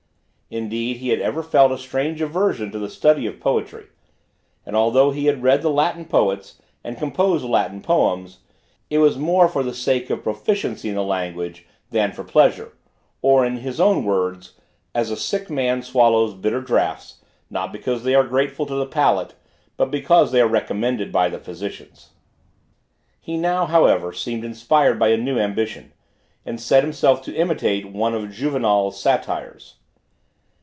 Indeed, he had ever felt a strange aversion to the study of poetry, and, although he had read the Latin Poets, and composed Latin Poems, it was more for the sake of proficiency in the language, than for pleasure, or, in his own words, "as a sick man swallows bitter draughts, not because they are grateful to the palate, but, because they are recommended by the physicians." He now, however, seemed inspired by a new ambition, and set himself to imitate one of Juvenal's Satires.